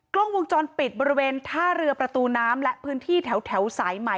กล้องวงจรปิดบริเวณท่าเรือประตูน้ำและพื้นที่แถวสายใหม่